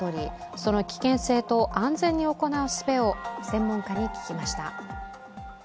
その危険性と安全に行うすべを専門家に聞きました。